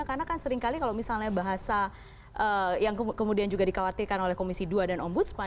karena kan seringkali kalau misalnya bahasa yang kemudian juga dikhawatirkan oleh komisi dua dan ombudsman